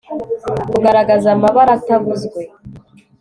kugaragaza amabara atavuzwe